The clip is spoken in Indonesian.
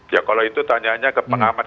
ya kalau itu tanyanya ke pengamat